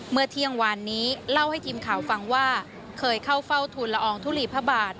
เมื่อเที่ยงวานนี้เล่าให้ทีมข่าวฟังว่าเคยเข้าเฝ้าทุนละอองทุลีพระบาท